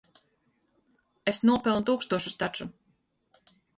Es nopelnu tūkstošus taču.